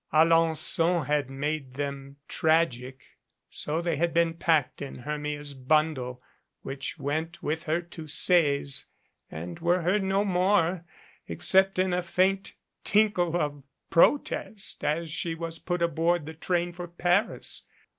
Alen 9on had made them tragic so they had been packed in Her mia's bundle which went with her to Sees and were heard no more, except in a faint tinkle of protest as she was put aboard the train for Paris.